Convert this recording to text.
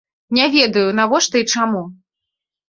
Не ведаю, навошта і чаму.